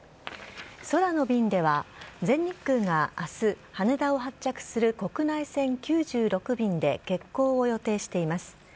空の便では、全日空があす羽田を発着する国内線９６便で欠航を予定しています。